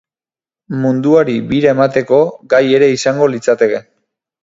Munduari bira emateko gai ere izango litzateke.